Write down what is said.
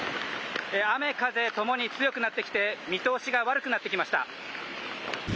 雨、風ともに強くなってきて見通しが悪くなってきました。